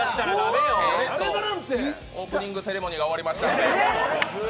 オープニングセレモニーが終わりました。